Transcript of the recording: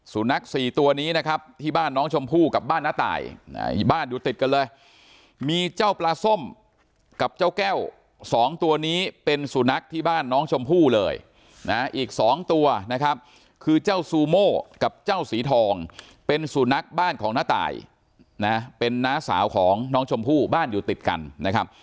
นักสี่ตัวนี้นะครับที่บ้านน้องชมพู่กับบ้านน้าตายบ้านอยู่ติดกันเลยมีเจ้าปลาส้มกับเจ้าแก้วสองตัวนี้เป็นสุนัขที่บ้านน้องชมพู่เลยนะอีกสองตัวนะครับคือเจ้าซูโม่กับเจ้าสีทองเป็นสุนัขบ้านของน้าตายนะเป็นน้าสาวของน้องชมพู่บ้านอยู่ติดกันนะครับ